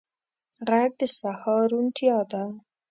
غږ د سهار روڼتیا ده